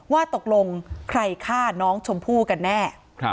ว่าตกลงใครฆ่าน้องชมพู่กันแน่